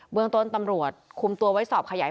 เมื่อกด่วนตำรวจคุมตัวไว้สอบขยายผล